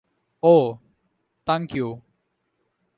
অও, তাংকিউ।